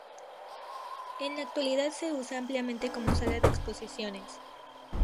En la actualidad se usa ampliamente como sala de exposiciones.